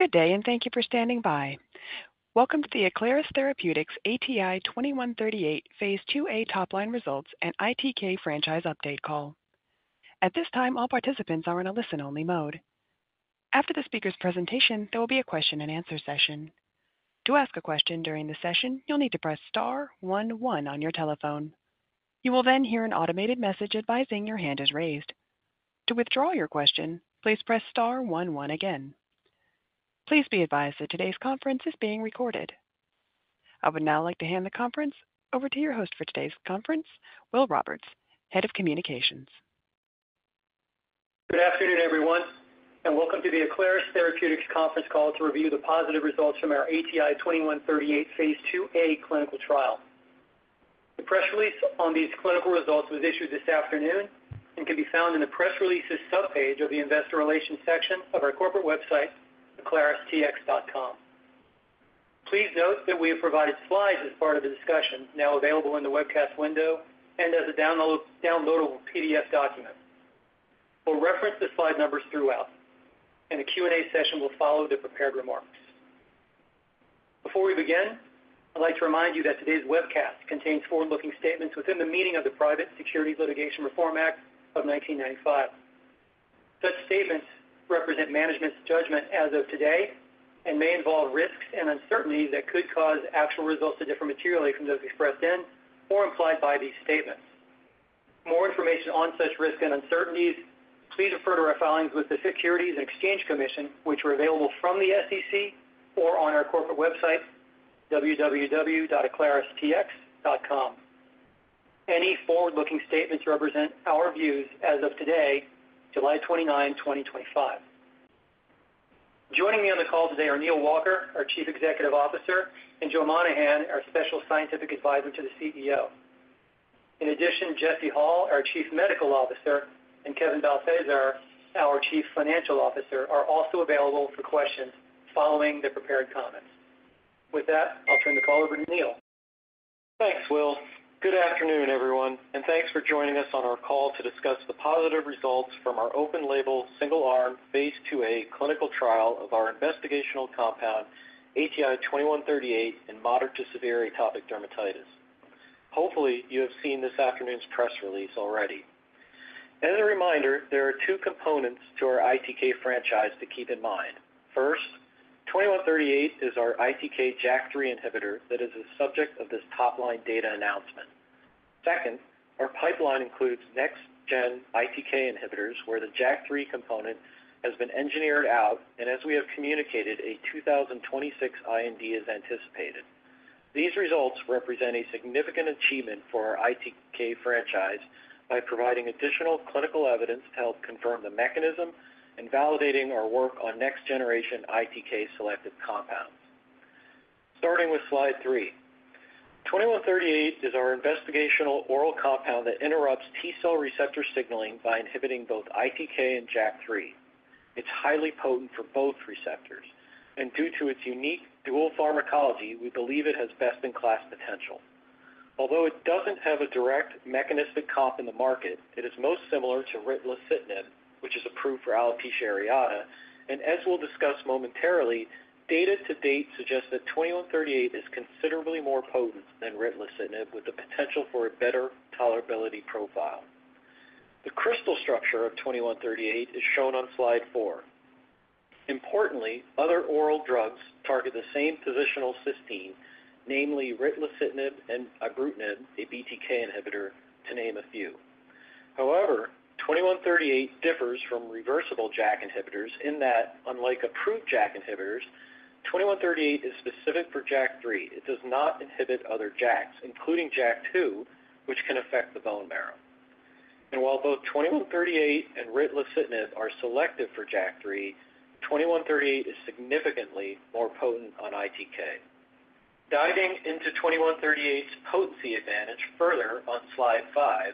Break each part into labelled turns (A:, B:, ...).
A: Good day, and thank you for standing by. Welcome to the Aclaris Therapeutics ATI-2138 phase 2a Topline Results and ITK Franchise Update call. At this time, all participants are in a listen-only mode. After the speaker's presentation, there will be a question and answer session. To ask a question during this session, you'll need to press star one one on your telephone. You will then hear an automated message advising your hand is raised. To withdraw your question, please press star one one again. Please be advised that today's conference is being recorded. I would now like to hand the conference over to your host for today's conference, Will Roberts, Head of Communications.
B: Good afternoon, everyone, and welcome to the Aclaris Therapeutics conference call to review the positive results from our ATI-2138 phase 2a clinical trial. The press release on these clinical results was issued this afternoon and can be found in the press releases subpage of the Investor Relations section of our corporate website, aclaristx.com. Please note that we have provided slides as part of the discussion, now available in the webcast window and as a downloadable PDF document. We'll reference the slide numbers throughout, and the Q&A session will follow the prepared remarks. Before we begin, I'd like to remind you that today's webcast contains forward-looking statements within the meaning of the Private Securities Litigation Reform Act of 1995. Such statements represent management's judgment as of today and may involve risks and uncertainties that could cause actual results to differ materially from those expressed in or implied by these statements. For more information on such risks and uncertainties, please refer to our filings with the Securities and Exchange Commission, which are available from the SEC or on our corporate website, www.aclaristx.com. Any forward-looking statements represent our views as of today, July 29, 2025. Joining me on the call today are Dr. Neal Walker, our Chief Executive Officer, and Dr. Joseph Monahan, our Special Scientific Advisor to the CEO. In addition, Dr. Jesse Hall, our Chief Medical Officer, and Kevin Balthaser, our Chief Financial Officer, are also available for questions following the prepared comments. With that, I'll turn the call over to Neal.
C: Thanks, Will. Good afternoon, everyone, and thanks for joining us on our call to discuss the positive results from our open-label, single-arm, phase 2a clinical trial of our investigational compound, ATI-2138, in moderate to severe atopic dermatitis. Hopefully, you have seen this afternoon's press release already. As a reminder, there are two components to our ITK franchise to keep in mind. First, ATI-2138 is our ITK/JAK3 inhibitor that is the subject of this top-line data announcement. Second, our pipeline includes next-gen ITK inhibitors where the JAK3 component has been engineered out, and as we have communicated, a 2026 IND is anticipated. These results represent a significant achievement for our ITK franchise by providing additional clinical evidence to help confirm the mechanism and validating our work on next-generation ITK-selected compounds. Starting with slide three, ATI-2138 is our investigational oral compound that interrupts T-cell receptor signaling by inhibiting both ITK and JAK3. It's highly potent for both receptors, and due to its unique dual pharmacology, we believe it has best-in-class potential. Although it doesn't have a direct mechanistic cop in the market, it is most similar to ritlecitinib, which is approved for alopecia areata, and as we'll discuss momentarily, data to date suggest that ATI-2138 is considerably more potent than ritlecitinib, with the potential for a better tolerability profile. The crystal structure of ATI-2138 is shown on slide four. Importantly, other oral drugs target the same positional cysteine, namely ritlecitinib and ibrutinib, a BTK inhibitor, to name a few. However, ATI-2138 differs from reversible JAK inhibitors in that, unlike approved JAK inhibitors, ATI-2138 is specific for JAK3. It does not inhibit other JAKs, including JAK2, which can affect the bone marrow. While both ATI-2138 and ritlecitinib are selective for JAK3, ATI-2138 is significantly more potent on ITK. Diving into ATI-2138's potency advantage further on slide five,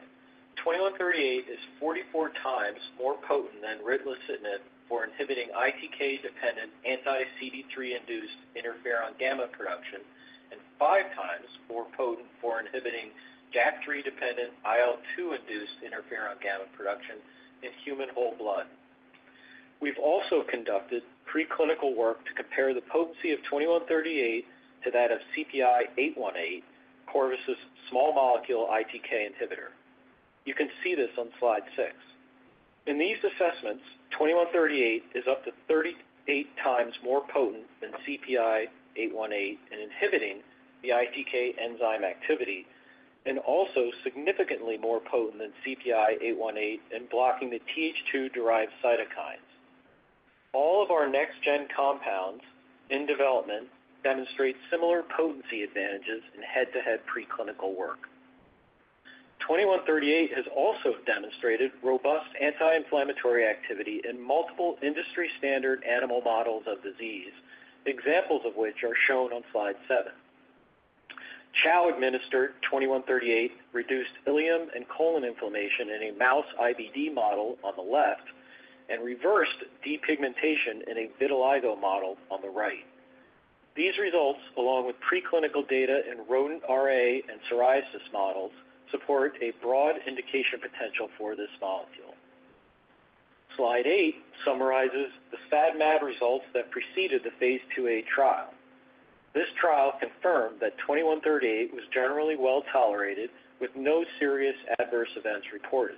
C: ATI-2138 is 44 times more potent than ritlecitinib for inhibiting ITK-dependent anti-CD3-induced interferon gamma production and five times more potent for inhibiting JAK3-dependent IL-2-induced interferon gamma production in human whole blood. We've also conducted preclinical work to compare the potency of ATI-2138 to that of CPI-818, Corvus's small molecule ITK inhibitor. You can see this on slide six. In these assessments, ATI-2138 is up to 38 times more potent than CPI-818 in inhibiting the ITK enzyme activity and also significantly more potent than CPI-818 in blocking the TH2-derived cytokines. All of our next-gen compounds in development demonstrate similar potency advantages in head-to-head preclinical work. ATI-2138 has also demonstrated robust anti-inflammatory activity in multiple industry-standard animal models of disease, examples of which are shown on slide seven. Chow-administered ATI-2138 reduced ileum and colon inflammation in a mouse IBD model on the left and reversed depigmentation in a vitiligo model on the right. These results, along with preclinical data in rodent RA and psoriasis models, support a broad indication potential for this molecule. Slide eight summarizes the STAT-MAD results that preceded the phase 2a trial. This trial confirmed that ATI-2138 was generally well tolerated with no serious adverse events reported.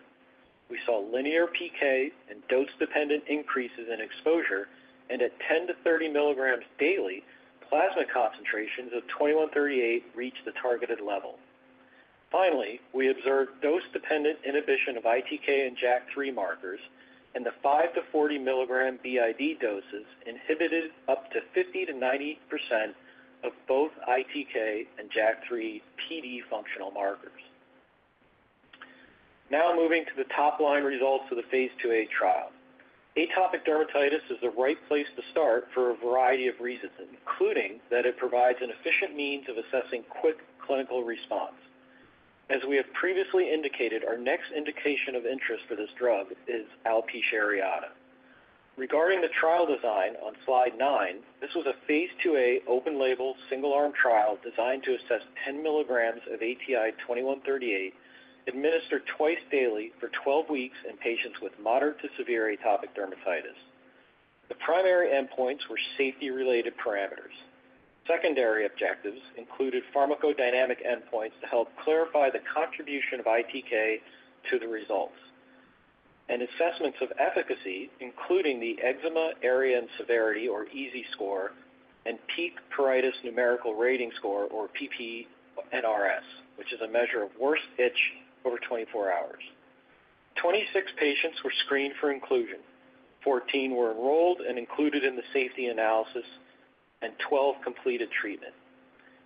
C: We saw linear PK and dose-dependent increases in exposure, and at 10-30 milligrams daily, plasma concentrations of ATI-2138 reached the targeted level. Finally, we observed dose-dependent inhibition of ITK and JAK3 markers, and the 5-40 milligram BID doses inhibited up to 50%-90% of both ITK and JAK3 TD functional markers. Now moving to the top-line results of the phase 2a trial, atopic dermatitis is the right place to start for a variety of reasons, including that it provides an efficient means of assessing quick clinical response. As we have previously indicated, our next indication of interest for this drug is alopecia areata. Regarding the trial design on slide nine, this was a phase 2a open-label, single-arm trial designed to assess 10 milligrams of ATI-2138 administered twice daily for 12 weeks in patients with moderate to severe atopic dermatitis. The primary endpoints were safety-related parameters. Secondary objectives included pharmacodynamic endpoints to help clarify the contribution of ITK to the results and assessments of efficacy, including the Eczema Area and Severity Index, or EASI score, and peak pruritus numerical rating score, or PP-NRS, which is a measure of worst itch over 24 hours. Twenty-six patients were screened for inclusion. Fourteen were enrolled and included in the safety analysis, and twelve completed treatment.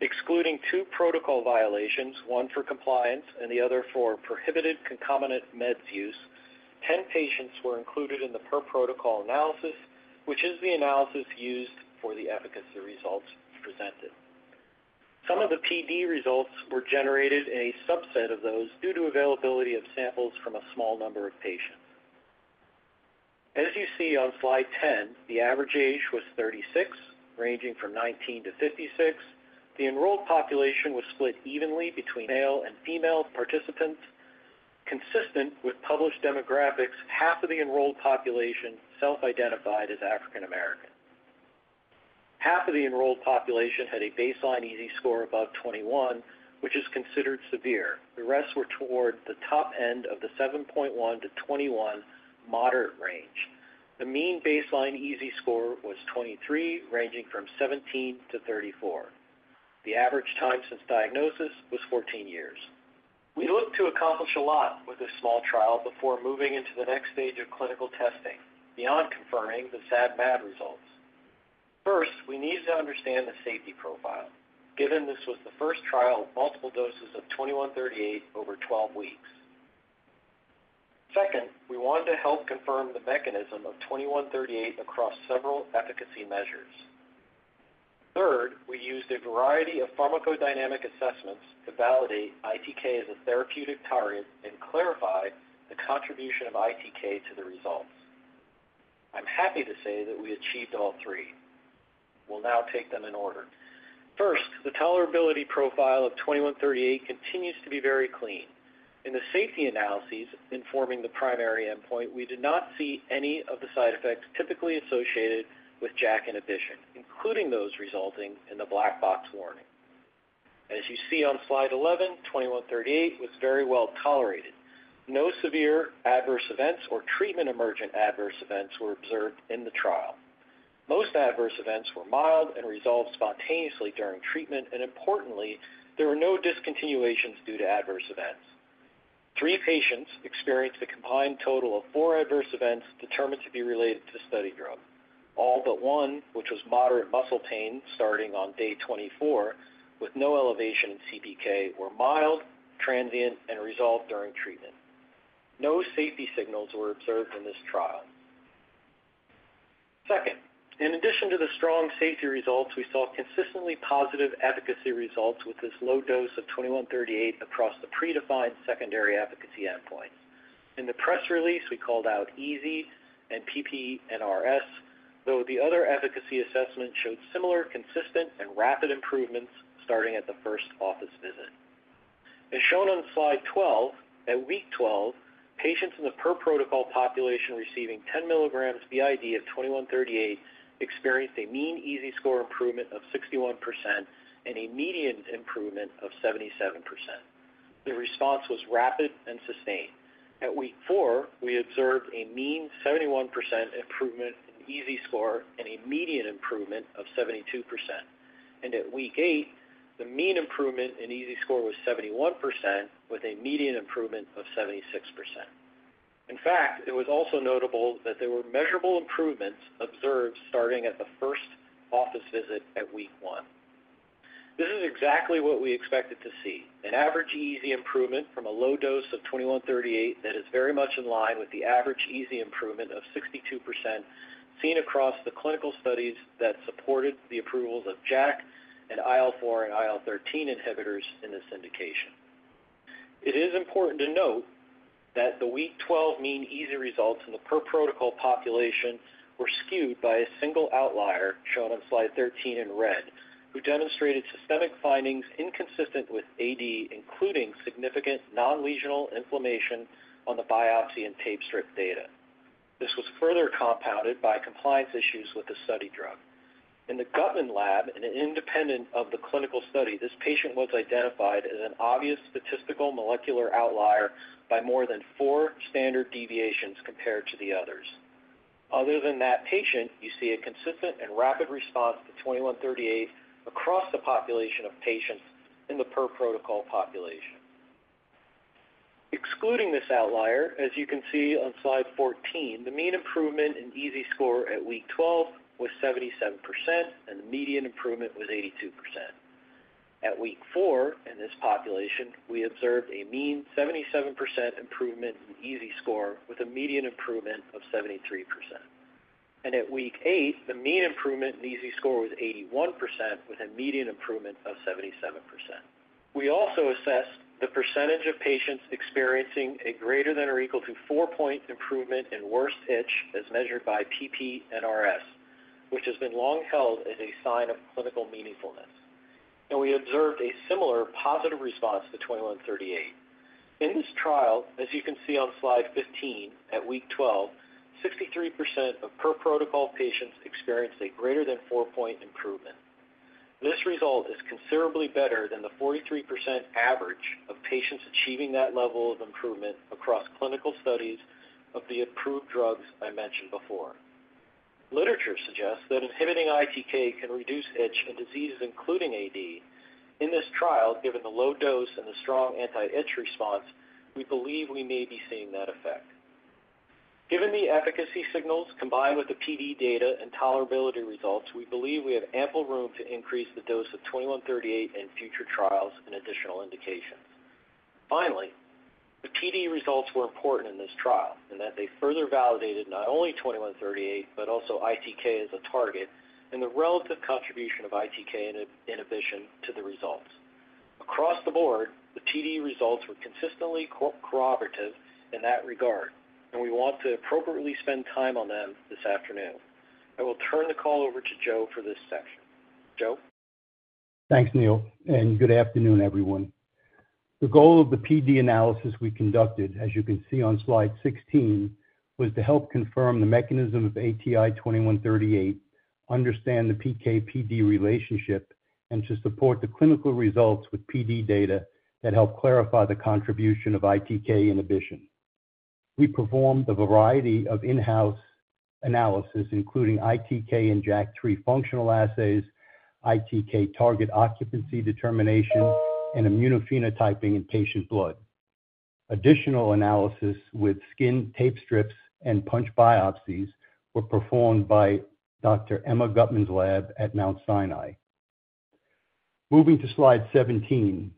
C: Excluding two protocol violations, one for compliance and the other for prohibited concomitant meds use, ten patients were included in the per protocol analysis, which is the analysis used for the efficacy results presented. Some of the PD results were generated in a subset of those due to availability of samples from a small number of patients. As you see on slide ten, the average age was 36, ranging from 19-56. The enrolled population was split evenly between male and female participants, consistent with published demographics. Half of the enrolled population self-identified as African American. Half of the enrolled population had a baseline EASI score above 21, which is considered severe. The rest were toward the top end of the 7.1-21 moderate range. The mean baseline EASI score was 23, ranging from 17-34. The average time since diagnosis was 14 years. We looked to accomplish a lot with this small trial before moving into the next stage of clinical testing beyond confirming the STAT-MAD results. First, we needed to understand the safety profile, given this was the first trial of multiple doses of 2138 over 12 weeks. Second, we wanted to help confirm the mechanism of 2138 across several efficacy measures. Third, we used a variety of pharmacodynamic assessments to validate ITK as a therapeutic target and clarify the contribution of ITK to the results. I'm happy to say that we achieved all three. We'll now take them in order. First, the tolerability profile of 2138 continues to be very clean. In the safety analyses informing the primary endpoint, we did not see any of the side effects typically associated with JAK inhibition, including those resulting in the black box warning. As you see on slide 11, 2138 was very well tolerated. No severe adverse events or treatment-emergent adverse events were observed in the trial. Most adverse events were mild and resolved spontaneously during treatment, and importantly, there were no discontinuations due to adverse events. Three patients experienced a combined total of four adverse events determined to be related to the study drug. All but one, which was moderate muscle pain starting on day 24, with no elevation in CPK, were mild, transient, and resolved during treatment. No safety signals were observed in this trial. Second, in addition to the strong safety results, we saw consistently positive efficacy results with this low dose of 2138 across the predefined secondary efficacy endpoints. In the press release, we called out EASI and PP-NRS, though the other efficacy assessments showed similar, consistent, and rapid improvements starting at the first office visit. As shown on slide 12, at week 12, patients in the per protocol population receiving 10 milligrams BID of ATI-2138 experienced a mean EASI score improvement of 61% and a median improvement of 77%. The response was rapid and sustained. At week four, we observed a mean 71% improvement in EASI score and a median improvement of 72%. At week eight, the mean improvement in EASI score was 71%, with a median improvement of 76%. In fact, it was also notable that there were measurable improvements observed starting at the first office visit at week one. This is exactly what we expected to see: an average EASI improvement from a low dose of ATI-2138 that is very much in line with the average EASI improvement of 62% seen across the clinical studies that supported the approvals of JAK and IL-4 and IL-13 inhibitors in this indication. It is important to note that the week 12 mean EASI results in the per protocol population were skewed by a single outlier shown on slide 13 in red, who demonstrated systemic findings inconsistent with atopic dermatitis, including significant non-lesional inflammation on the biopsy and tape strip data. This was further compounded by compliance issues with the study drug. In the Guttman lab and independent of the clinical study, this patient was identified as an obvious statistical molecular outlier by more than four standard deviations compared to the others. Other than that patient, you see a consistent and rapid response to ATI-2138 across the population of patients in the per protocol population. Excluding this outlier, as you can see on slide 14, the mean improvement in EASI score at week 12 was 77%, and the median improvement was 82%. At week four, in this population, we observed a mean 77% improvement in EASI score with a median improvement of 73%. At week eight, the mean improvement in EASI score was 81% with a median improvement of 77%. We also assessed the percentage of patients experiencing a greater than or equal to four-point improvement in worst itch, as measured by PP-NRS, which has been long held as a sign of clinical meaningfulness. We observed a similar positive response to ATI-2138. In this trial, as you can see on slide 15, at week 12, 63% of per protocol patients experienced a greater than four-point improvement. This result is considerably better than the 43% average of patients achieving that level of improvement across clinical studies of the approved drugs I mentioned before. Literature suggests that inhibiting ITK can reduce itch and diseases, including AD. In this trial, given the low dose and the strong anti-itch response, we believe we may be seeing that effect. Given the efficacy signals combined with the PD data and tolerability results, we believe we have ample room to increase the dose of 2138 in future trials and additional indications. Finally, the PD results were important in this trial in that they further validated not only 2138, but also ITK as a target and the relative contribution of ITK inhibition to the results. Across the board, the PD results were consistently cooperative in that regard, and we want to appropriately spend time on them this afternoon. I will turn the call over to Joe for this section. Joe.
D: Thanks, Neal, and good afternoon, everyone. The goal of the PD analysis we conducted, as you can see on slide 16, was to help confirm the mechanism of ATI-2138, understand the PK-PD relationship, and to support the clinical results with PD data that help clarify the contribution of ITK inhibition. We performed a variety of in-house analyses, including ITK and JAK3 functional assays, ITK target occupancy determination, and immunophenotyping in patient blood. Additional analyses with skin tape strips and punch biopsies were performed by Dr. Emma Guttman's lab at Mount Sinai. Moving to slide 17,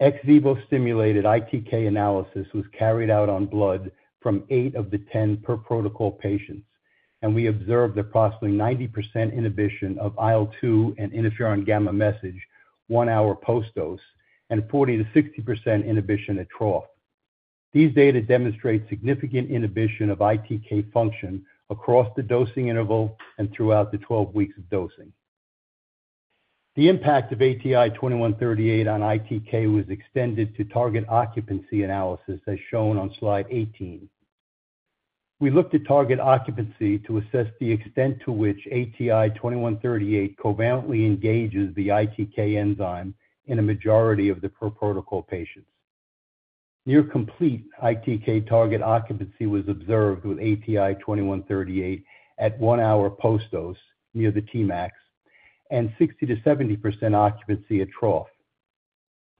D: ex-vivo stimulated ITK analysis was carried out on blood from eight of the ten per protocol patients, and we observed approximately 90% inhibition of IL-2 and interferon gamma message one hour post-dose and 40% to 60% inhibition at trough. These data demonstrate significant inhibition of ITK function across the dosing interval and throughout the 12 weeks of dosing. The impact of ATI-2138 on ITK was extended to target occupancy analysis, as shown on slide 18. We looked at target occupancy to assess the extent to which ATI-2138 covalently engages the ITK enzyme in a majority of the per protocol patients. Near complete ITK target occupancy was observed with ATI-2138 at one hour post-dose, near the TMAX, and 60% to 70% occupancy at trough.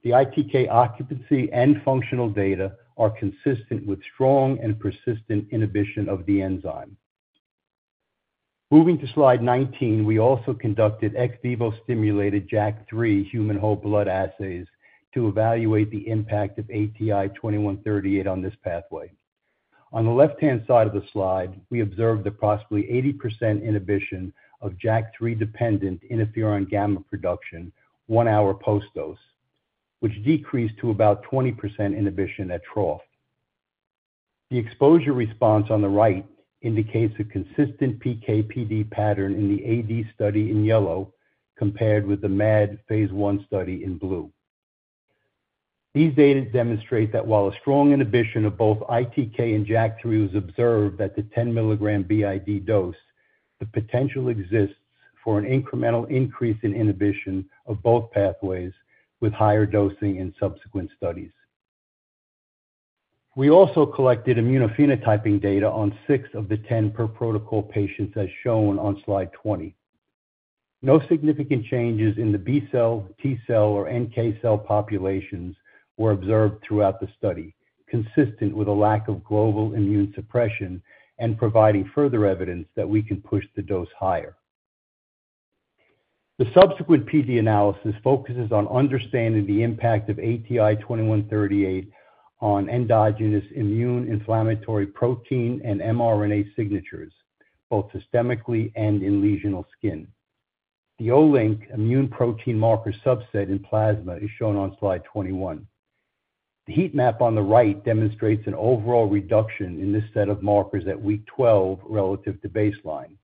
D: The ITK occupancy and functional data are consistent with strong and persistent inhibition of the enzyme. Moving to slide 19, we also conducted ex-vivo stimulated JAK3 human whole blood assays to evaluate the impact of ATI-2138 on this pathway. On the left-hand side of the slide, we observed approximately 80% inhibition of JAK3-dependent interferon gamma production one hour post-dose, which decreased to about 20% inhibition at trough. The exposure response on the right indicates a consistent PK-PD pattern in the AD study in yellow compared with the MAD phase I study in blue. These data demonstrate that while a strong inhibition of both ITK and JAK3 was observed at the 10 milligram BID dose, the potential exists for an incremental increase in inhibition of both pathways with higher dosing in subsequent studies. We also collected immunophenotyping data on six of the ten per protocol patients, as shown on slide 20. No significant changes in the B cell, T cell, or NK cell populations were observed throughout the study, consistent with a lack of global immune suppression and providing further evidence that we can push the dose higher. The subsequent PD analysis focuses on understanding the impact of ATI-2138 on endogenous immune inflammatory protein and mRNA signatures, both systemically and in lesional skin. The Olink immune protein marker subset in plasma is shown on slide 21. The heat map on the right demonstrates an overall reduction in this set of markers at week 12 relative to baseline.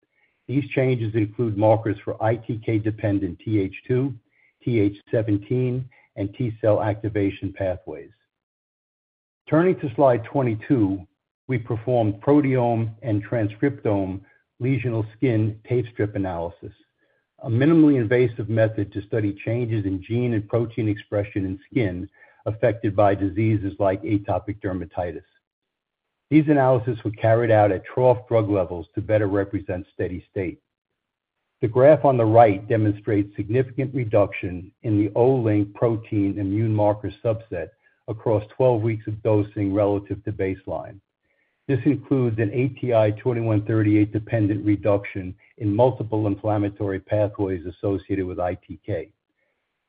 D: These changes include markers for ITK-dependent TH2, TH17, and T cell activation pathways. Turning to slide 22, we performed proteome and transcriptome lesional skin tape strip analysis, a minimally invasive method to study changes in gene and protein expression in skin affected by diseases like atopic dermatitis. These analyses were carried out at trough drug levels to better represent steady state. The graph on the right demonstrates significant reduction in the Olink protein immune marker subset across 12 weeks of dosing relative to baseline. This includes an ATI-2138-dependent reduction in multiple inflammatory pathways associated with ITK.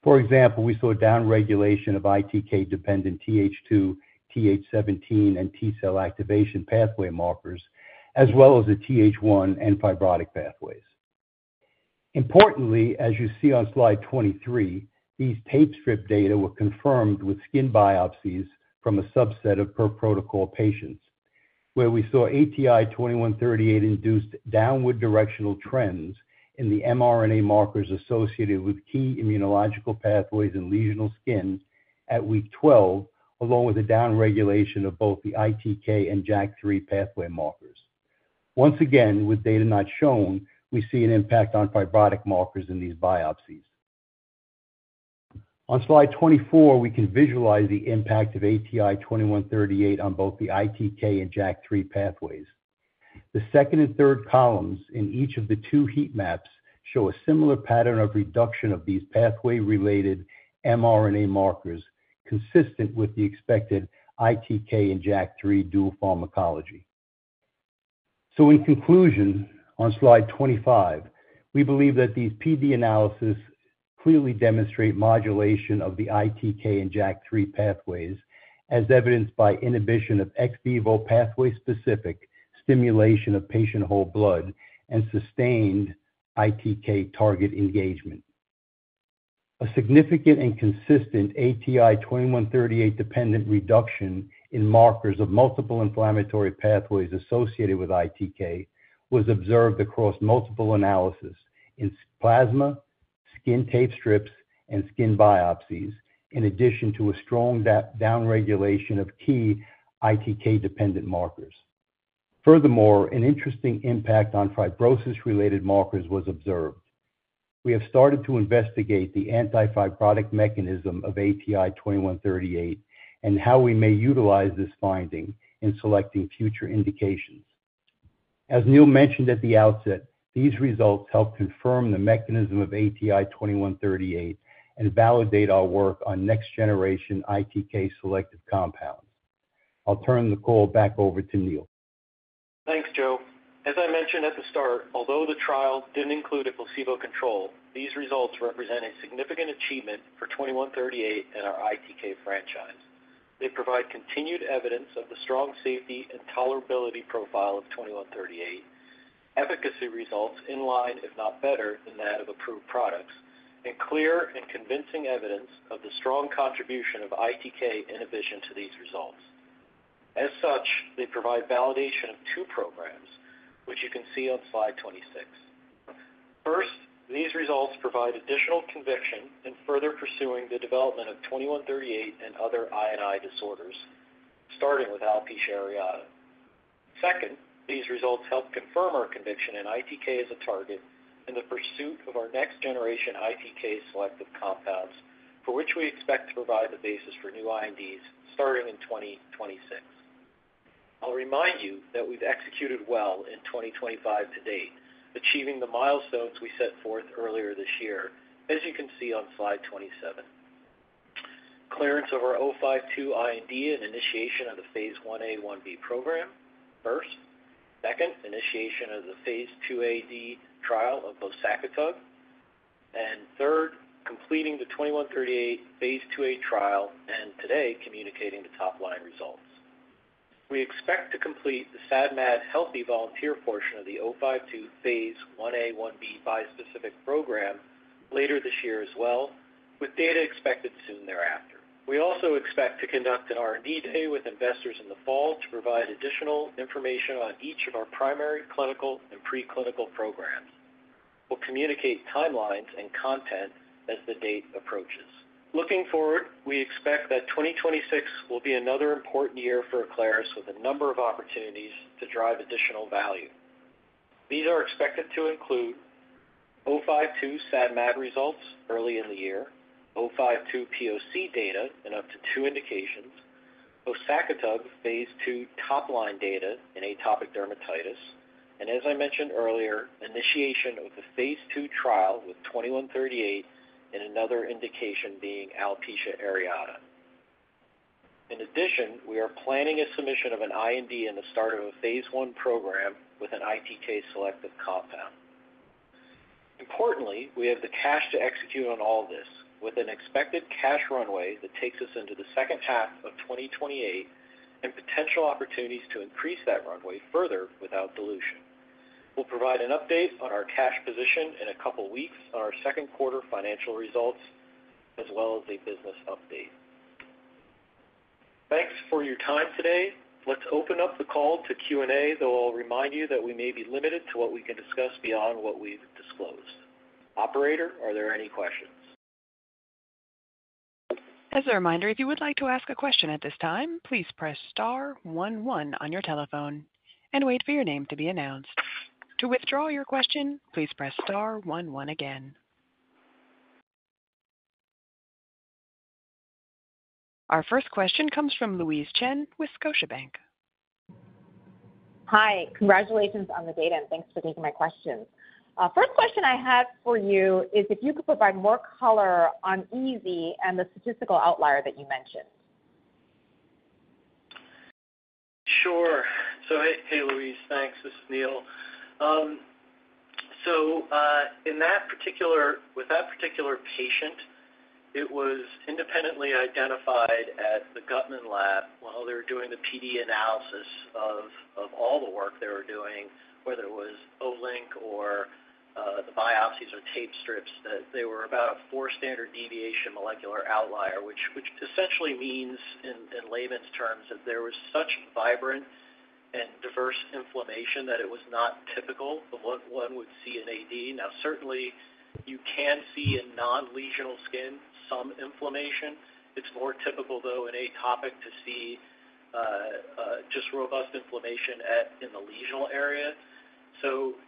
D: For example, we saw downregulation of ITK-dependent TH2, TH17, and T cell activation pathway markers, as well as the TH1 and fibrotic pathways. Importantly, as you see on slide 23, these tape strip data were confirmed with skin biopsies from a subset of per protocol patients, where we saw ATI-2138-induced downward directional trends in the mRNA markers associated with key immunological pathways in lesional skin at week 12, along with a downregulation of both the ITK and JAK3 pathway markers. Once again, with data not shown, we see an impact on fibrotic markers in these biopsies. On slide 24, we can visualize the impact of ATI-2138 on both the ITK and JAK3 pathways. The second and third columns in each of the two heat maps show a similar pattern of reduction of these pathway-related mRNA markers, consistent with the expected ITK and JAK3 dual pharmacology. In conclusion, on slide 25, we believe that these PD analyses clearly demonstrate modulation of the ITK and JAK3 pathways, as evidenced by inhibition of ex-vivo pathway-specific stimulation of patient whole blood and sustained ITK target engagement. A significant and consistent ATI-2138-dependent reduction in markers of multiple inflammatory pathways associated with ITK was observed across multiple analyses in plasma, skin tape strips, and skin biopsies, in addition to a strong downregulation of key ITK-dependent markers. Furthermore, an interesting impact on fibrosis-related markers was observed. We have started to investigate the anti-fibrotic mechanism of ATI-2138 and how we may utilize this finding in selecting future indications. As Neal mentioned at the outset, these results help confirm the mechanism of ATI-2138 and validate our work on next-generation ITK-selected compounds. I'll turn the call back over to Neal.
C: Thanks, Joe. As I mentioned at the start, although the trial didn't include a placebo control, these results represent a significant achievement for ATI-2138 in our ITK franchise. They provide continued evidence of the strong safety and tolerability profile of ATI-2138, efficacy results in line, if not better, than that of approved products, and clear and convincing evidence of the strong contribution of ITK inhibition to these results. As such, they provide validation of two programs, which you can see on slide 26. First, these results provide additional conviction in further pursuing the development of ATI-2138 and other INI disorders, starting with alopecia areata. Second, these results help confirm our conviction in ITK as a target in the pursuit of our next-generation ITK selective compounds, for which we expect to provide the basis for new INDs starting in 2026. I'll remind you that we've executed well in 2025 to date, achieving the milestones we set forth earlier this year, as you can see on slide 27. Clearance of our ATI-52 IND and initiation of the phase 1a-1b program first. Second, initiation of the phase 2ad trial of both SACHA-TUG. Third, completing the ATI-2138 phase 2a trial and today communicating the top-line results. We expect to complete the STAT-MAD healthy volunteer portion of the ATI-52 phase 1a-1b bispecific program later this year as well, with data expected soon thereafter. We also expect to conduct an R&D day with investors in the fall to provide additional information on each of our primary clinical and preclinical programs. We'll communicate timelines and content as the date approaches. Looking forward, we expect that 2026 will be another important year for Aclaris Therapeutics with a number of opportunities to drive additional value. These are expected to include ATI-52 STAT-MAD results early in the year, ATI-52 proof-of-concept data in up to two indications, both SACHA-TUG Phase 2 top-line data in atopic dermatitis, and as I mentioned earlier, initiation of the phase 2 trial with ATI-2138 in another indication being alopecia areata. In addition, we are planning a submission of an IND and the start of a phase I program with an ITK selective compound. Importantly, we have the cash to execute on all this, with an expected cash runway that takes us into the second half of 2028 and potential opportunities to increase that runway further without dilution. We'll provide an update on our cash position in a couple of weeks on our second quarter financial results, as well as a business update. Thanks for your time today. Let's open up the call to Q&A, though I'll remind you that we may be limited to what we can discuss beyond what we've disclosed. Operator, are there any questions?
A: As a reminder, if you would like to ask a question at this time, please press star one one on your telephone and wait for your name to be announced. To withdraw your question, please press star one one again. Our first question comes from Louise Chen, Scotiabank.
E: Hi. Congratulations on the data and thanks for taking my question. First question I have for you is if you could provide more color on EASI and the statistical outlier that you mentioned.
C: Sure. Hey, Louise. Thanks. This is Neal. In that particular, with that particular patient, it was independently identified at the Guttman lab while they were doing the PD analysis of all the work they were doing, whether it was Olink or the biopsies or tape strips, that they were about a four standard deviation molecular outlier, which essentially means, in layman's terms, that there was such vibrant and diverse inflammation that it was not typical of what one would see in AD. Certainly, you can see in non-lesional skin some inflammation. It's more typical, though, in atopic to see just robust inflammation in the lesional area.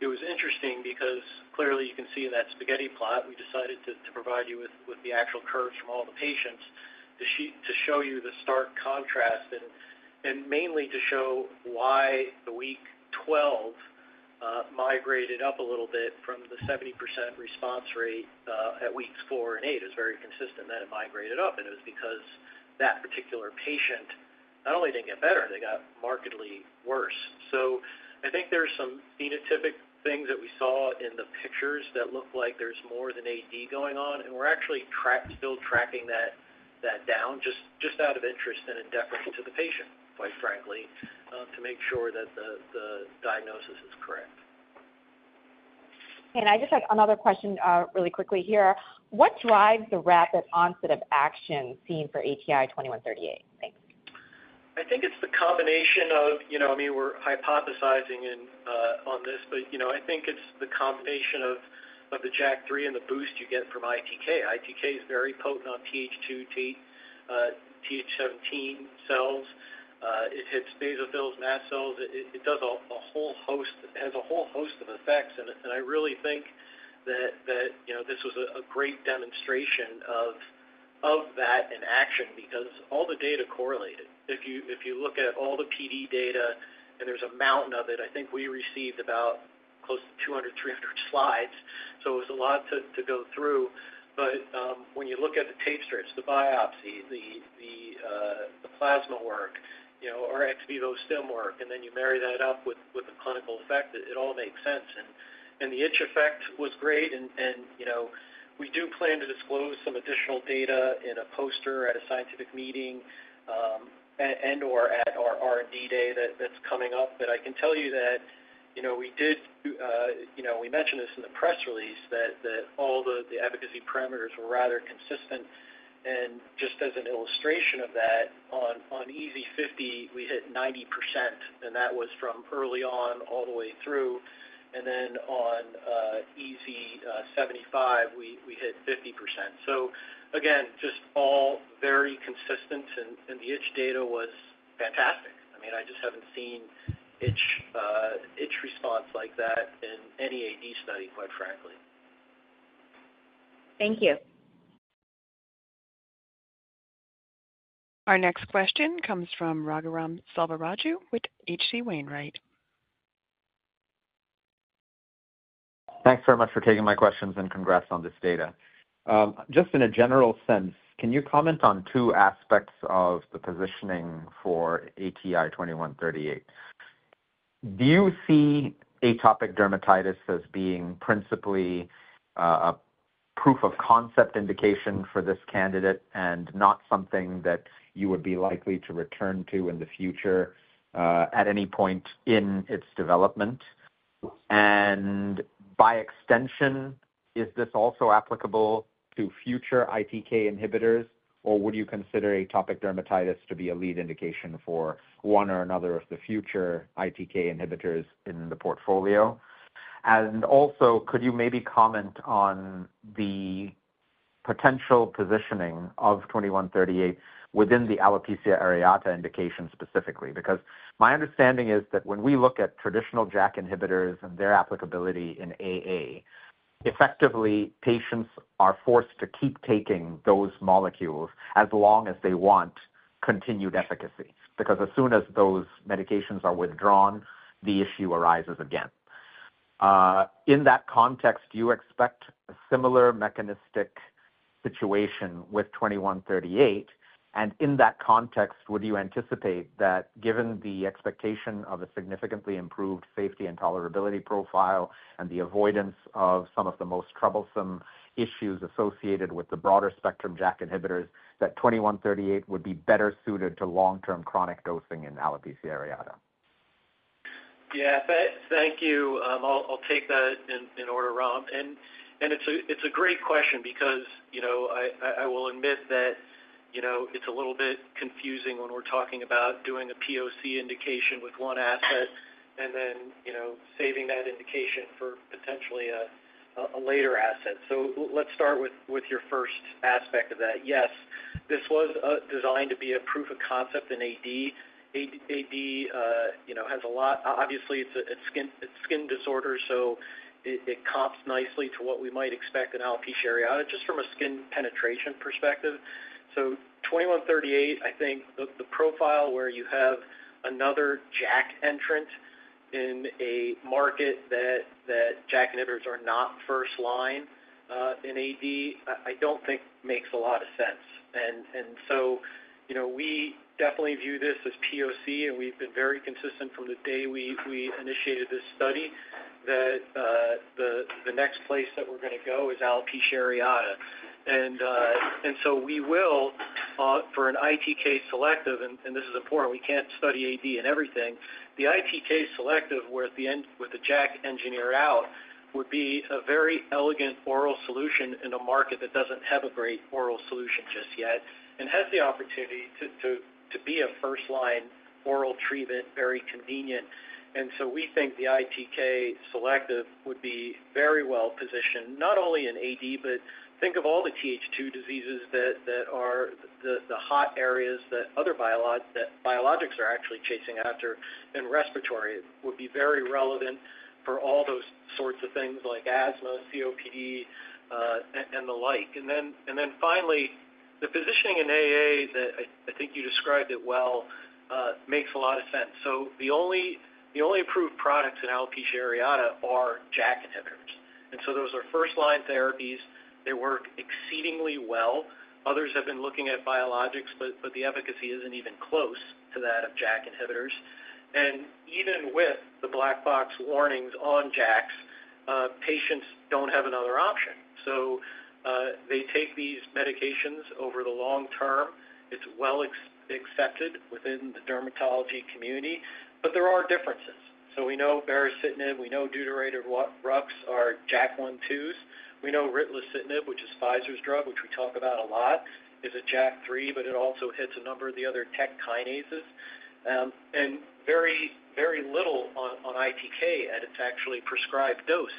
C: It was interesting because clearly you can see in that spaghetti plot, we decided to provide you with the actual curves from all the patients to show you the stark contrast and mainly to show why the week 12 migrated up a little bit from the 70% response rate at weeks four and eight. It was very consistent that it migrated up, and it was because that particular patient not only didn't get better, they got markedly worse. I think there's some phenotypic things that we saw in the pictures that look like there's more than AD going on, and we're actually tracking, still tracking that down just out of interest and in deference to the patient, quite frankly, to make sure that the diagnosis is correct.
E: I just have another question really quickly here. What drives the rapid onset of action seen for ATI-2138? Thanks.
C: I think it's the combination of, you know, I mean, we're hypothesizing on this, but I think it's the combination of the JAK3 and the boost you get from ITK. ITK is very potent on TH2, TH17 cells. It hits basophils, NAS cells. It does a whole host, has a whole host of effects, and I really think that this was a great demonstration of that in action because all the data correlated. If you look at all the PD data and there's a mountain of it, I think we received about close to 200, 300 slides, so it was a lot to go through. When you look at the tape strips, the biopsy, the plasma work, or ex-vivo stem work, and then you marry that up with a clinical effect, it all makes sense. The itch effect was great, and we do plan to disclose some additional data in a poster at a scientific meeting and/or at our R&D day that's coming up, but I can tell you that we did, you know, we mentioned this in the press release that all the abc parameters were rather consistent. Just as an illustration of that, on EASI 50, we hit 90%, and that was from early on all the way through. On EASI 75, we hit 50%. Again, just all very consistent, and the itch data was fantastic. I mean, I just haven't seen itch response like that in any AD study, quite frankly.
E: Thank you.
A: Our next question comes from Raghuram Selvaraju with H.C. Wainwright.
F: Thanks very much for taking my questions and congrats on this data. Just in a general sense, can you comment on two aspects of the positioning for ATI-2138? Do you see atopic dermatitis as being principally a proof-of-concept indication for this candidate and not something that you would be likely to return to in the future at any point in its development? By extension, is this also applicable to future ITK inhibitors, or would you consider atopic dermatitis to be a lead indication for one or another of the future ITK inhibitors in the portfolio? Also, could you maybe comment on the potential positioning of ATI-2138 within the alopecia areata indication specifically? My understanding is that when we look at traditional JAK inhibitors and their applicability in alopecia areata, effectively, patients are forced to keep taking those molecules as long as they want continued efficacy because as soon as those medications are withdrawn, the issue arises again. In that context, do you expect a similar mechanistic situation with ATI-2138? In that context, would you anticipate that given the expectation of a significantly improved safety and tolerability profile and the avoidance of some of the most troublesome issues associated with the broader spectrum JAK inhibitors, that ATI-2138 would be better suited to long-term chronic dosing in alopecia areata?
C: Thank you. I'll take that in order, Rahm. It's a great question because, you know, I will admit that it's a little bit confusing when we're talking about doing a POC indication with one asset and then saving that indication for potentially a later asset. Let's start with your first aspect of that. Yes, this was designed to be a proof of concept in AD. AD, you know, has a lot, obviously, it's a skin disorder, so it comps nicely to what we might expect in alopecia areata just from a skin penetration perspective. 2138, I think the profile where you have another JAK entrant in a market that JAK inhibitors are not first line in AD, I don't think makes a lot of sense. We definitely view this as POC, and we've been very consistent from the day we initiated this study that the next place that we're going to go is alopecia areata. We will, for an ITK selective, and this is important, we can't study AD in everything. The ITK selective where at the end with the JAK engineered out would be a very elegant oral solution in a market that doesn't have a great oral solution just yet and has the opportunity to be a first-line oral treatment, very convenient. We think the ITK selective would be very well positioned, not only in AD, but think of all the TH2 diseases that are the hot areas that other biologics are actually chasing after in respiratory would be very relevant for all those sorts of things like asthma, COPD, and the like. Finally, the positioning in AA, I think you described it well, makes a lot of sense. The only approved products in alopecia areata are JAK inhibitors. Those are first-line therapies. They work exceedingly well. Others have been looking at biologics, but the efficacy isn't even close to that of JAK inhibitors. Even with the black box warnings on JAKs, patients don't have another option. They take these medications over the long term. It's well accepted within the dermatology community, but there are differences. We know baricitinib, we know deuterated Rux are JAK1/2s. We know ritlecitinib, which is Pfizer's drug, which we talk about a lot, is a JAK3, but it also hits a number of the other 10 kinases. Very, very little on ITK at its actually prescribed dose.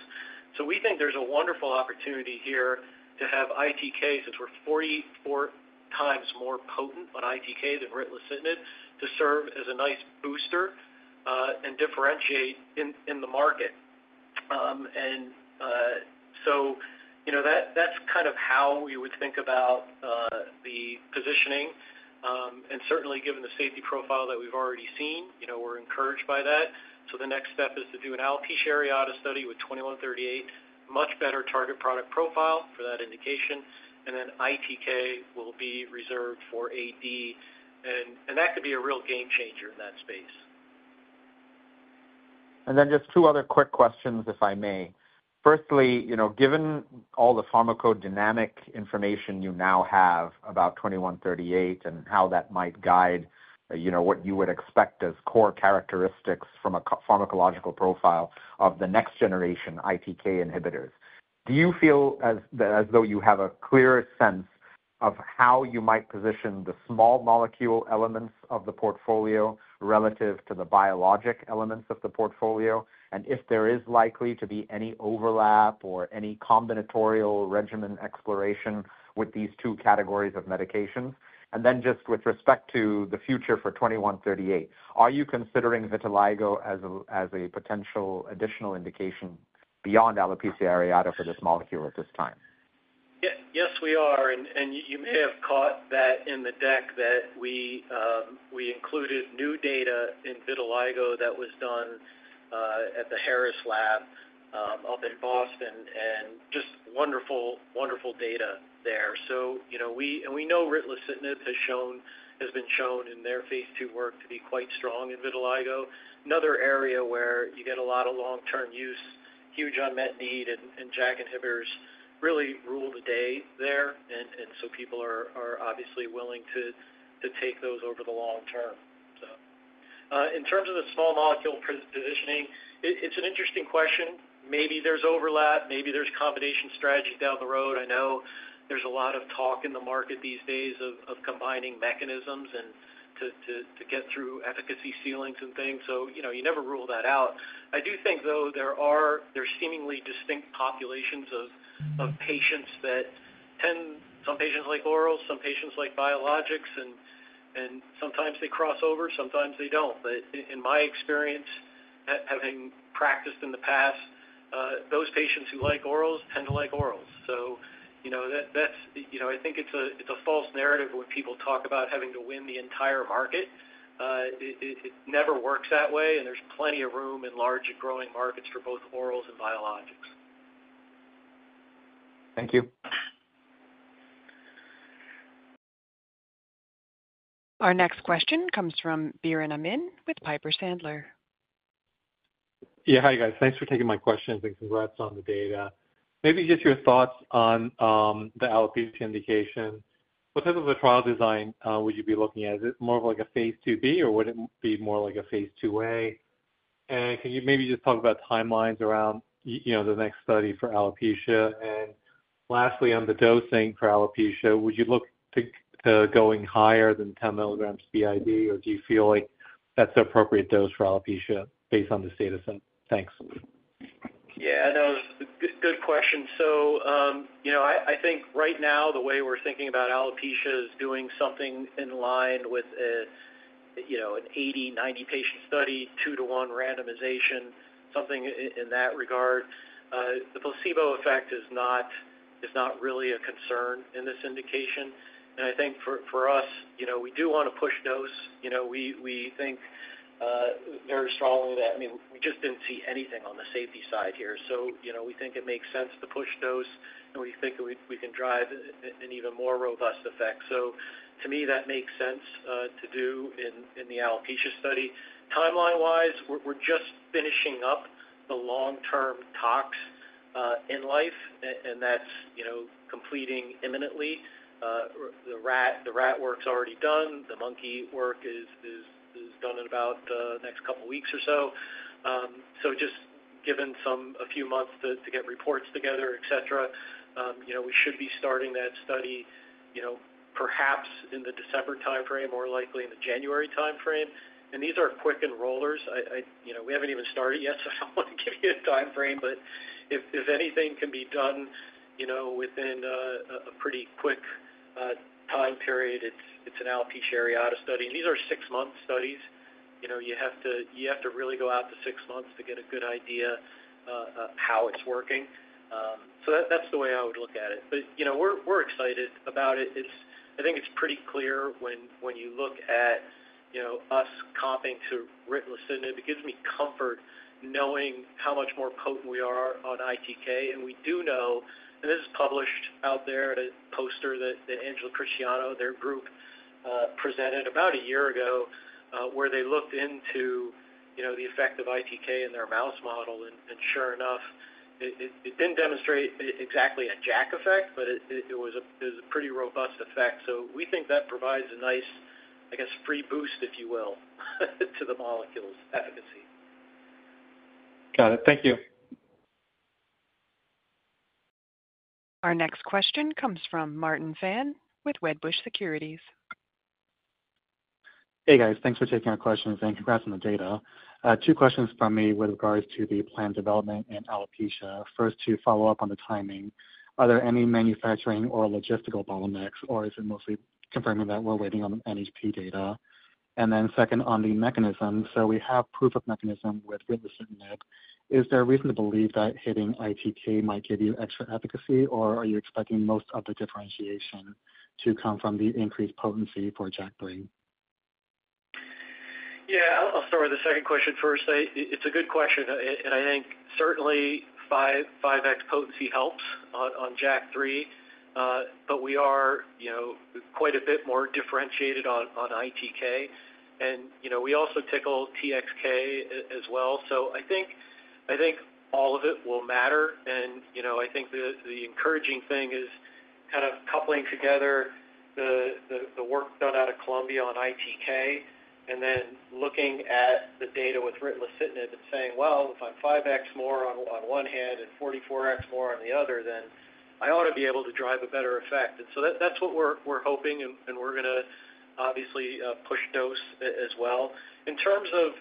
C: We think there's a wonderful opportunity here to have ITK, since we're 44 times more potent on ITK than ritlecitinib, to serve as a nice booster and differentiate in the market. You know, that's kind of how we would think about the positioning. Certainly, given the safety profile that we've already seen, we're encouraged by that. The next step is to do an alopecia areata study with ATI-2138, much better target product profile for that indication, and then ITK will be reserved for atopic dermatitis. That could be a real game changer in that space.
F: Just two other quick questions, if I may. Firstly, given all the pharmacodynamic information you now have about ATI-2138 and how that might guide what you would expect as core characteristics from a pharmacological profile of the next-generation ITK inhibitors, do you feel as though you have a clearer sense of how you might position the small molecule elements of the portfolio relative to the biologic elements of the portfolio? If there is likely to be any overlap or any combinatorial regimen exploration with these two categories of medication? With respect to the future for ATI-2138, are you considering vitiligo as a potential additional indication beyond alopecia areata for this molecule at this time?
C: Yes, we are. You may have caught that in the deck that we included new data in vitiligo that was done at the Harris Lab up in Boston, and just wonderful, wonderful data there. You know, and we know ritlecitinib has been shown in their phase II work to be quite strong in vitiligo. Another area where you get a lot of long-term use, huge unmet need, and JAK inhibitors really rule the day there. People are obviously willing to take those over the long term. In terms of the small molecule positioning, it's an interesting question. Maybe there's overlap, maybe there's combination strategies down the road. I know there's a lot of talk in the market these days of combining mechanisms to get through efficacy ceilings and things. You never rule that out. I do think, though, there are seemingly distinct populations of patients that tend, some patients like orals, some patients like biologics, and sometimes they cross over, sometimes they don't. In my experience, having practiced in the past, those patients who like orals tend to like orals. I think it's a false narrative when people talk about having to win the entire market. It never works that way, and there's plenty of room in large growing markets for both orals and biologics.
F: Thank you.
A: Our next question comes from Biren Amin with Piper Sandler.
G: Yeah. Hi, guys. Thanks for taking my questions and congrats on the data. Maybe just your thoughts on the alopecia indication. What type of a trial design would you be looking at? Is it more of like a phase 2b, or would it be more like a phase 2a? Can you maybe just talk about timelines around the next study for alopecia? Lastly, on the dosing for alopecia, would you look to going higher than 10 mg BID, or do you feel like that's an appropriate dose for alopecia based on this data? Thanks.
C: Yeah, no, good question. I think right now the way we're thinking about alopecia is doing something in line with an 80/90 patient study, two-to-one randomization, something in that regard. The placebo effect is not really a concern in this indication. I think for us, we do want to push dose. We think very strongly that, I mean, we just didn't see anything on the safety side here. We think it makes sense to push dose, and we think we can drive an even more robust effect. To me, that makes sense to do in the alopecia study. Timeline-wise, we're just finishing up the long-term tox in life, and that's completing imminently. The rat work's already done. The monkey work is done in about the next couple of weeks or so. Given a few months to get reports together, et cetera, we should be starting that study, perhaps in the December timeframe, more likely in the January timeframe. These are quick enrollers. We haven't even started yet, so I don't want to give you a timeframe, but if anything can be done within a pretty quick time period, it's an alopecia areata study. These are six-month studies. You have to really go out to six months to get a good idea of how it's working. That's the way I would look at it. We're excited about it. I think it's pretty clear when you look at us comping to ritlecitinib. It gives me comfort knowing how much more potent we are on ITK. We do know, and this is published out there, at a poster that Angela Christiano, their group, presented about a year ago, where they looked into the effect of ITK in their mouse model. Sure enough, it didn't demonstrate exactly a JAK effect, but it was a pretty robust effect. We think that provides a nice, I guess, free boost, if you will, to the molecule's efficacy.
G: Got it. Thank you.
A: Our next question comes from Martin Fan with Wedbush Securities.
H: Hey, guys. Thanks for taking our question and congrats on the data. Two questions from me with regards to the planned development in alopecia. First, to follow up on the timing, are there any manufacturing or logistical bottlenecks, or is it mostly confirming that we're waiting on the NHP data? Second, on the mechanism. We have proof of mechanism with ritlecitinib. Is there a reason to believe that hitting ITK might give you extra efficacy, or are you expecting most of the differentiation to come from the increased potency for JAK3?
C: I'll start with the second question first. It's a good question, and I think certainly 5X potency helps on JAK3, but we are quite a bit more differentiated on ITK. You know, we also tickle TXK as well. I think all of it will matter. The encouraging thing is kind of coupling together the work done out of Columbia on ITK and then looking at the data with ritlecitinib and saying, if I'm 5X more on one hand and 44X more on the other, then I ought to be able to drive a better effect. That's what we're hoping, and we're going to obviously push dose as well. In terms of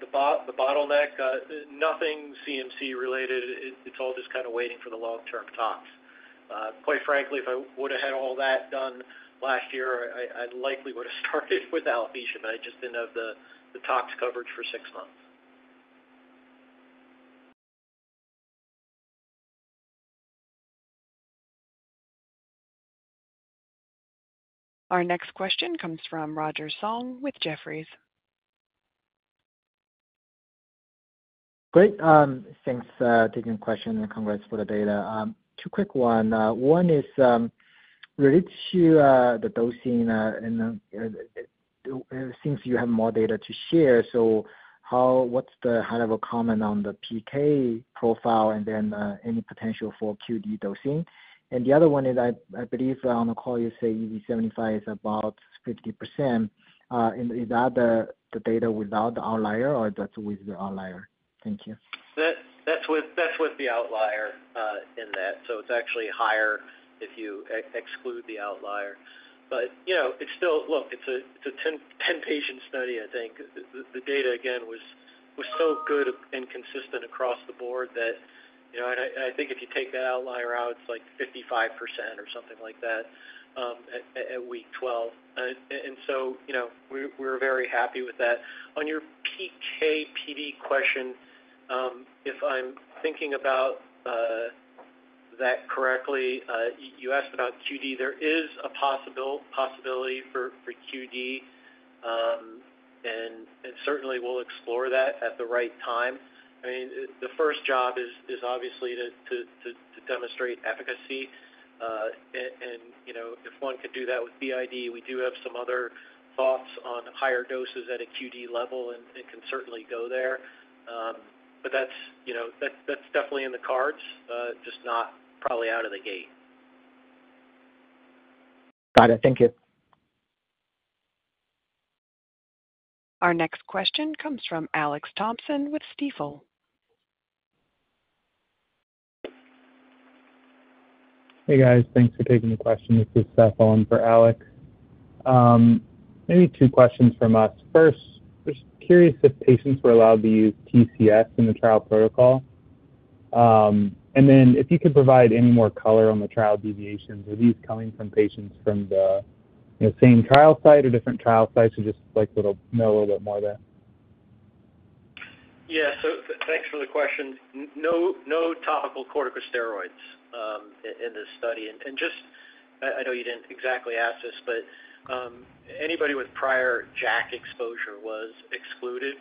C: the bottleneck, nothing CMC related. It's all just kind of waiting for the long-term talks. Quite frankly, if I would have had all that done last year, I likely would have started with alopecia. I just didn't have the talks coverage for six months.
A: Our next question comes from Roger Song with Jefferies.
I: Great. Thanks for taking the question and congrats for the data. Two quick ones. One is related to the dosing and seems you have more data to share. What's the kind of a comment on the PK profile, and then any potential for QD dosing? The other one is, I believe on the call you say EASI75 is about 50%. Is that the data without the outlier, or that's with the outlier? Thank you.
C: That's with the outlier in that. It's actually higher if you exclude the outlier. It's still, look, it's a 10-patient study, I think. The data, again, was so good and consistent across the board that, you know, I think if you take that outlier out, it's like 55% or something like that at week 12. We're very happy with that. On your PK/PD question, if I'm thinking about that correctly, you asked about QD. There is a possibility for QD, and certainly, we'll explore that at the right time. The first job is obviously to demonstrate efficacy. If one could do that with BID, we do have some other thoughts on higher doses at a QD level and can certainly go there. That's definitely in the cards, just not probably out of the gate.
I: Got it. Thank you.
A: Our next question comes from Alex Thompson with Stifel.
J: Hey, guys. Thanks for taking the question with Stifel and for Alex. I need two questions from us. First, we're just curious if patients were allowed to use TCS in the trial protocol. If you could provide any more color on the trial deviations, are these coming from patients from the same trial site or different trial sites? We'd just like to know a little bit more there.
C: Yeah. Thanks for the question. No, no topical corticosteroids in this study. I know you didn't exactly ask this, but anybody with prior JAK exposure was excluded.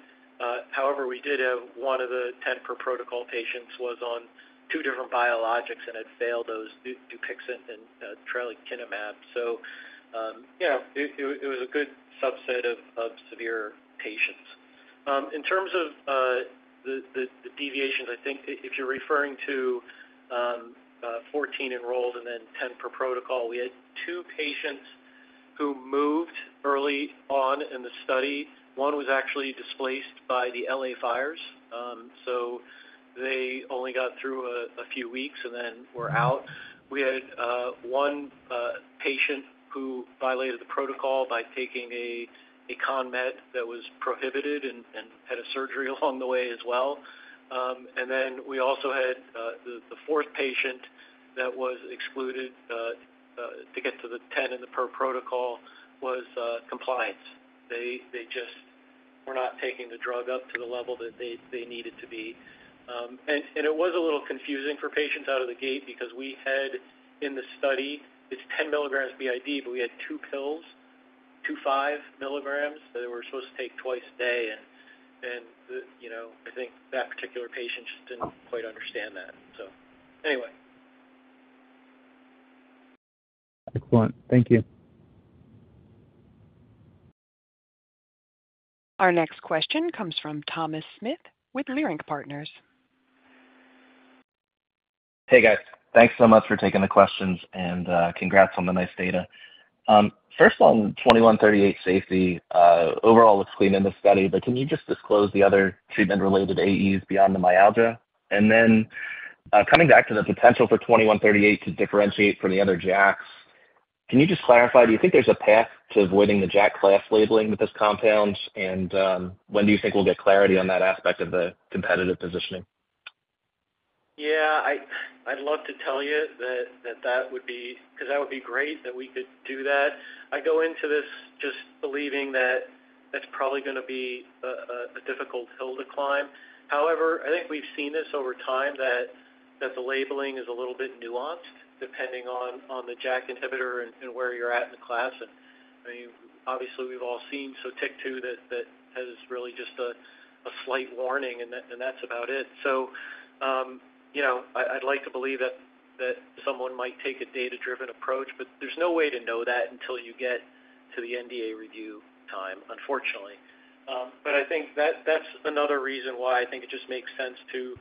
C: However, we did have one of the 10 per protocol patients who was on two different biologics and had failed those, Dupixent and Trelekinemab. It was a good subset of severe patients. In terms of the deviations, if you're referring to 14 enrolled and then 10 per protocol, we had two patients who moved early on in the study. One was actually displaced by the L-A virus. They only got through a few weeks and then were out. We had one patient who violated the protocol by taking a conmed that was prohibited and had a surgery along the way as well. We also had the fourth patient that was excluded to get to the 10 in the per protocol for compliance. They just were not taking the drug up to the level that they needed to be. It was a little confusing for patients out of the gate because in the study, it's 10 milligrams BID, but we had two pills, two 5 milligrams that they were supposed to take twice a day. I think that particular patient just didn't quite understand that. Anyway.
J: Excellent. Thank you.
A: Our next question comes from Thomas Smith with Leerink Partners.
K: Hey, guys. Thanks so much for taking the questions and congrats on the nice data. First on ATI-2138 safety, overall, it's clean in the study, but can you just disclose the other treatment-related AEs beyond the myalgia? Then coming back to the potential for ATI-2138 to differentiate from the other JAKs, can you just clarify, do you think there's a path to avoiding the JAK class labeling with this compound? When do you think we'll get clarity on that aspect of the competitive positioning?
C: Yeah, I'd love to tell you that that would be because that would be great that we could do that. I go into this just believing that it's probably going to be a difficult hill to climb. However, I think we've seen this over time that the labeling is a little bit nuanced depending on the JAK inhibitor and where you're at in the class. I mean, obviously, we've all seen TIK2 that has really just a slight warning, and that's about it. I'd like to believe that someone might take a data-driven approach, but there's no way to know that until you get to the NDA review time, unfortunately. I think that's another reason why I think it just makes sense to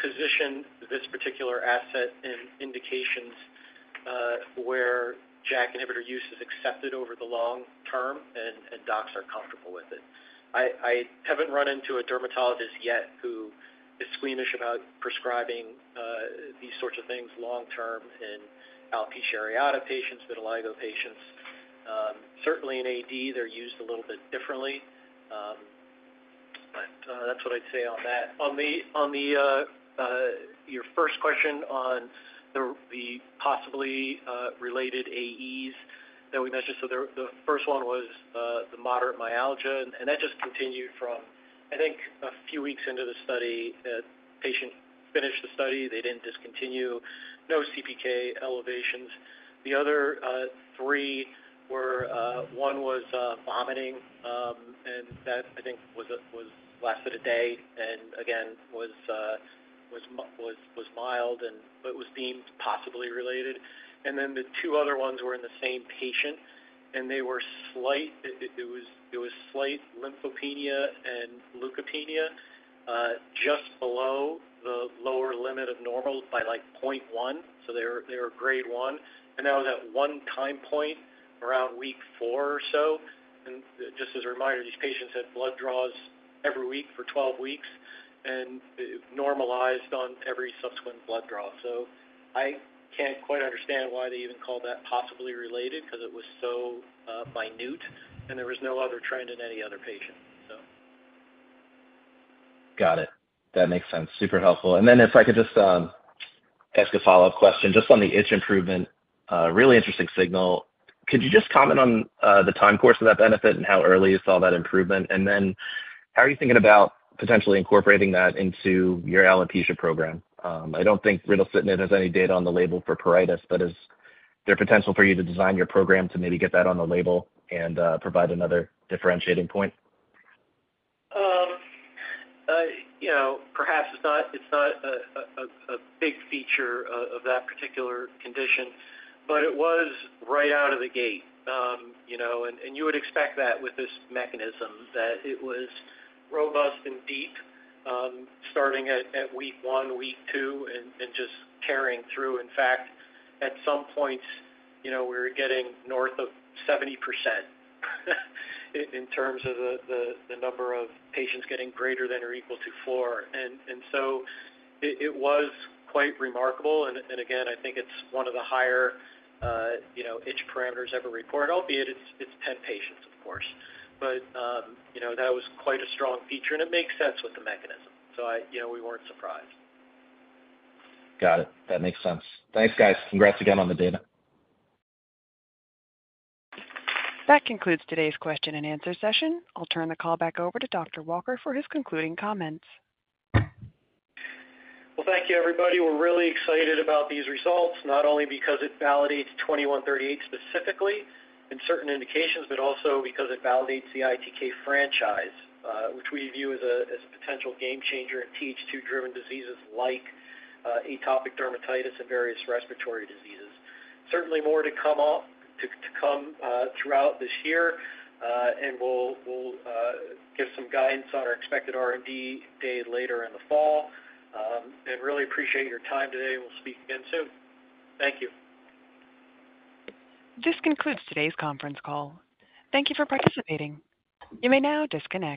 C: position this particular asset in indications where JAK inhibitor use is accepted over the long term and docs are comfortable with it. I haven't run into a dermatologist yet who is squeamish about prescribing these sorts of things long term in alopecia areata patients, vitiligo patients. Certainly, in AD, they're used a little bit differently. That's what I'd say on that. On your first question on the possibly related AEs that we mentioned, the first one was the moderate myalgia, and that just continued from, I think, a few weeks into the study. The patient finished the study. They didn't discontinue. No CPK elevations. The other three were one was vomiting, and that, I think, lasted a day and, again, was mild, but was deemed possibly related. The two other ones were in the same patient, and they were slight. It was slight lymphopenia and leukopenia just below the lower limit of normal by like 0.1. They were grade one. That was at one time point around week four or so. Just as a reminder, these patients had blood draws every week for 12 weeks and normalized on every subsequent blood draw. I can't quite understand why they even called that possibly related because it was so minute, and there was no other trend in any other patient.
K: Got it. That makes sense. Super helpful. If I could just ask a follow-up question just on the itch improvement, really interesting signal. Could you just comment on the time course of that benefit and how early you saw that improvement? How are you thinking about potentially incorporating that into your alopecia program? I don't think ritlecitinib has any data on the label for pruritus, but is there potential for you to design your program to maybe get that on the label and provide another differentiating point?
C: You know, perhaps it's not a big feature of that particular condition, but it was right out of the gate. You would expect that with this mechanism, that it was robust and deep starting at week one, week two, and just carrying through. In fact, at some points, we were getting north of 70% in terms of the number of patients getting greater than or equal to four. It was quite remarkable. I think it's one of the higher itch parameters ever reported, albeit it's 10 patients, of course. That was quite a strong feature, and it makes sense with the mechanism. We weren't surprised.
K: Got it. That makes sense. Thanks, guys. Congrats again on the data.
A: That concludes today's question and answer session. I'll turn the call back over to Dr. Neal Walker for his concluding comments.
C: Thank you, everybody. We're really excited about these results, not only because it validates ATI-2138 specifically in certain indications, but also because it validates the ITK franchise, which we view as a potential game changer in TH2-driven diseases like atopic dermatitis and various respiratory diseases. Certainly, more to come throughout this year, and we'll give some guidance on our expected R&D day later in the fall. I really appreciate your time today. We'll speak again soon. Thank you.
A: This concludes today's conference call. Thank you for participating. You may now disconnect.